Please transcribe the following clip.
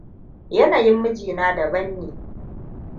Yanayin mijina da ban ne.